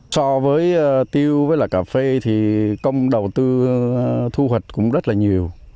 so với tiêu với là cà phê thì công đầu tư thu hoạch cũng rất là nhiều